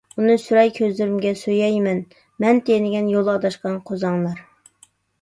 ئۇنى سۈرەي كۆزلىرىمگە، سۆيەي مەن، مەن تېنىگەن، يول ئاداشقان قوزاڭلار ...